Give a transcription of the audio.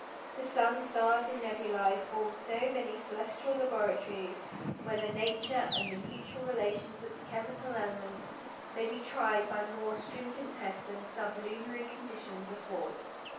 The sun, stars, and nebulæ form so many celestial laboratories, where the nature and mutual relations of the chemical "elements" may be tried by more stringent tests than sublunary conditions afford.